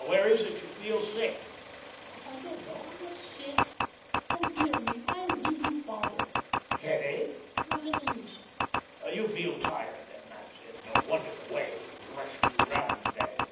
Where is it you feel sick?" "I don't know. I'm not sick. Oh, dear me, why will you bother?" "Headache?" "Not the least." "You feel tired, then. That's it. No wonder, the way rushed you 'round to day."